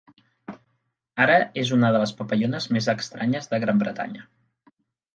Ara és una de les papallones més estranyes de Gran Bretanya.